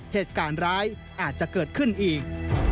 เหตุการณ์ร้ายอาจจะเกิดขึ้นอีก